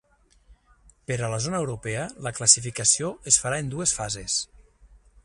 Per a la zona europea la classificació es farà en dues fases.